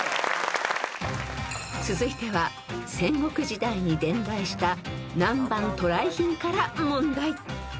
［続いては戦国時代に伝来した南蛮渡来品から問題］